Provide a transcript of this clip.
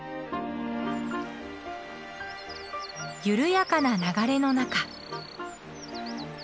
緩やかな流れの中。